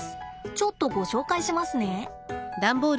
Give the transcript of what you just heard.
ちょっとご紹介しますね。